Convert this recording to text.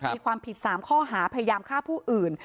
มีความผิด๓ข้อหาพยายามฆ่าผู้อื่น